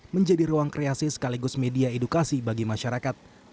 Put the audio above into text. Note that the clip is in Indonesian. menjadi ruang kreasi sekaligus media edukasi bagi masyarakat